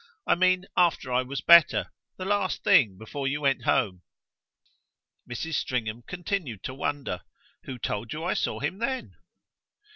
I mean after I was better the last thing before you went home." Mrs. Stringham continued to wonder. "Who told you I saw him then?"